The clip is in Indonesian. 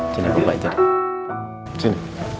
sini papa ajarin